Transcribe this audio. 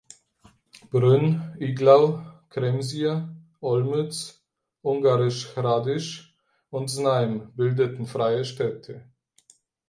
Brünn, Iglau, Kremsier, Olmütz, Ungarisch Hradisch und Znaim bildeten freie Städte.